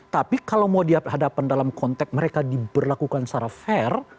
tapi kalau mau dihadapan dalam konteks mereka diberlakukan secara fair